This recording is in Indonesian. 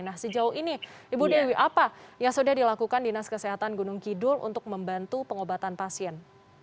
nah sejauh ini ibu dewi apa yang sudah dilakukan dinas kesehatan gunung kidul untuk membantu pengobatan pasien